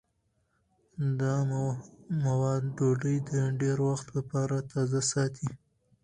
دا مواد ډوډۍ د ډېر وخت لپاره تازه ساتي.